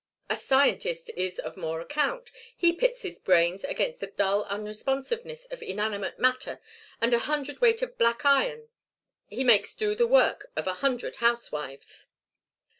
A scientist is of more account he pits his brains against the dull unresponsiveness of inanimate matter and a hundredweight of black iron he makes do the work of a hundred housewives.